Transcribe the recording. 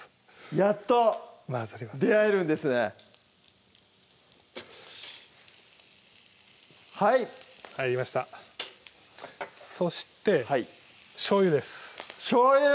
やっと出会えるんですねはい入りましたそしてしょうゆですしょうゆ！